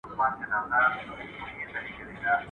o غټه گوله ثواب لري، انډيوال هم حق لري.